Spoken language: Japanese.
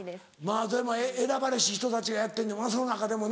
まぁでも選ばれし人たちがやってんねんもんなその中でも。